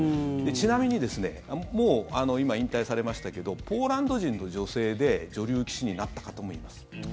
ちなみにですねもう今引退されましたけどポーランド人の女性で女流棋士になった方も思います。